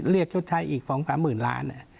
เรียกยุคชัยอีกชั่วส่อง๕๐ล้านอะ